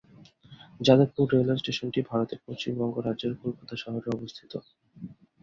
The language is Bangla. যাদবপুর রেলওয়ে স্টেশনটি ভারতের পশ্চিমবঙ্গ রাজ্যের কলকাতা শহরে অবস্থিত।